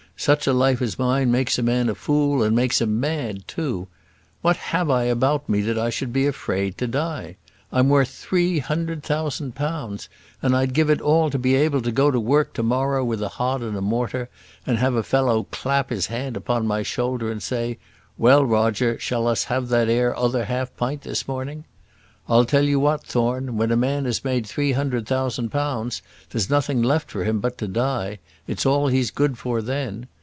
Such a life as mine makes a man a fool, and makes him mad too. What have I about me that I should be afraid to die? I'm worth three hundred thousand pounds; and I'd give it all to be able to go to work to morrow with a hod and mortar, and have a fellow clap his hand upon my shoulder, and say: 'Well, Roger, shall us have that 'ere other half pint this morning?' I'll tell you what, Thorne, when a man has made three hundred thousand pounds, there's nothing left for him but to die. It's all he's good for then.